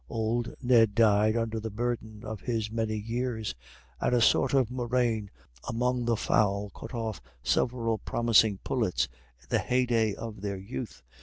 Old Ned died under the burden of his many years, and a sort of murrain among the fowl cut off several promising pullets in the heyday of their youth.